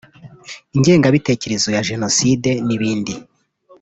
ingengabitekerezo ya Jenoside n’ibindi